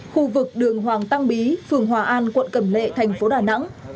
khu vực đường hoàng tăng bí phường hòa an quận cẩm lệ thành phố đà nẵng